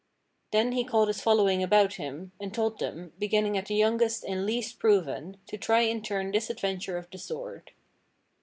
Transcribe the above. Then he called his following about him, and told them, beginning at the youngest and least proven, to try in turn this adventure of the sword.